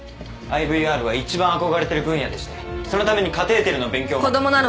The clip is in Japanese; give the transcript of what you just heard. ＩＶＲは一番憧れてる分野でしてそのためにカテーテルの勉強も。